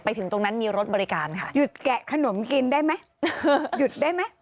ถึงตรงนั้นมีรถบริการค่ะหยุดแกะขนมกินได้ไหมหยุดได้ไหม